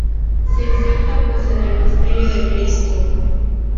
Se inserta pues en el misterio de Cristo.